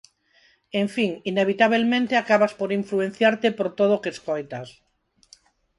En fin, inevitabelmente acabas por influenciarte por todo o que escoitas.